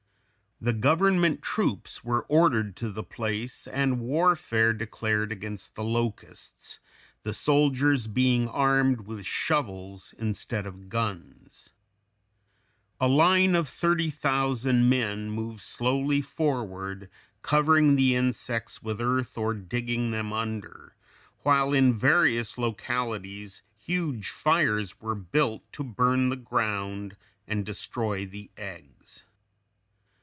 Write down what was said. The government troops were ordered to the place and warfare declared against the locusts, the soldiers being armed with shovels instead of guns. A line of thirty thousand men moved slowly forward, covering the insects with earth or digging them under, while in various localities huge fires were built to burn the ground and destroy the eggs.